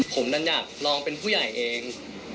ผมดันอยากลองเป็นผู้ใหญ่เอง